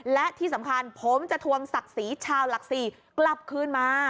และที่สำคัญผมจะทวงศักดิ์ศรีชาวหลักศรีกลับคืนมา